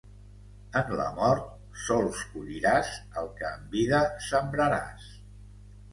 En la mort sols colliràs el que en vida sembraràs.